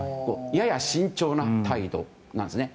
やや慎重な態度なんですね。